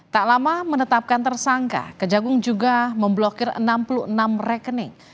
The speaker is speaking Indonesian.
tak lama menetapkan tersangka kejagung juga memblokir enam puluh enam rekening